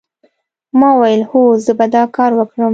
ما وویل هو زه به دا کار وکړم